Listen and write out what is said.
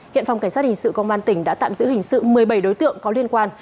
hiện phòng cảnh sát hình sự công an tỉnh đã tạm giữ hình sự một mươi bảy đối tượng có liên quan